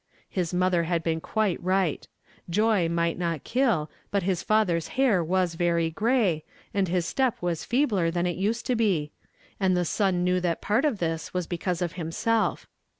His mother had been quite right; joy might not kill, but his fathers hair was very gray, and his step was feebler than it used to be ; and the son knew that part of this was because of himself.